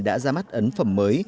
đã ra mắt ấn phẩm mới